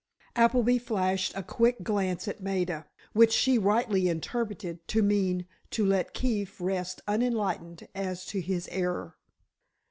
Appleby flashed a quick glance at Maida, which she rightly interpreted to mean to let Keefe rest unenlightened as to his error.